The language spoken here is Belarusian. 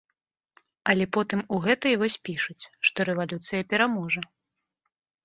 Але потым у гэтай вось пішуць, што рэвалюцыя пераможа.